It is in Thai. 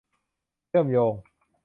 เชื่อมโยง